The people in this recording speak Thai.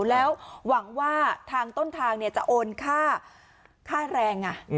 แล้วหวังว่าทางต้นทางเนี่ยจะโอนค่าค่าแรงอ่ะอืม